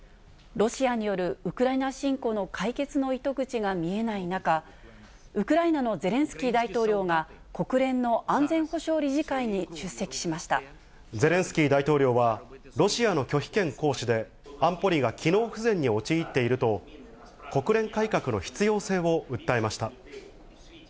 ロシアによるウクライナ侵攻の解決の糸口が見えない中、ウクライナのゼレンスキー大統領が国連の安全保障理事会に出席しゼレンスキー大統領は、ロシアの拒否権行使で、安保理が機能不全に陥っていると、国連改革の必要性を訴えました。